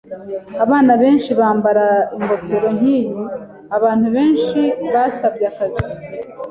Abana benshi bambara ingofero nkiyi. Abantu benshi basabye akazi.